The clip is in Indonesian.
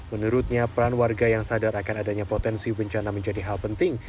menurutnya peran warga yang sadar akan adanya potensi bencana menjadi hal penting